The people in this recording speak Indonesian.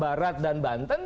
jawa barat dan banten